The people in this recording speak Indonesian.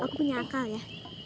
aku punya akal ya